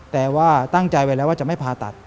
แต่ว่าตั้งใจไว้แล้วว่าจะไม่ผ่าตัด